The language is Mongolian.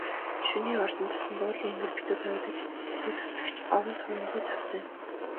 Шөнийн орсон цасанд уулын энгэр битүү дарагдаж, сүүдэртэх ч овон товонгүй цавцайна.